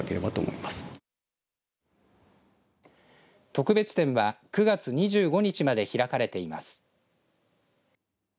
特別展は９月２５日まで開かれています。